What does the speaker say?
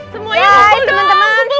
semuanya kumpul dong